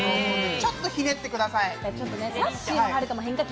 ちょっとひねってください。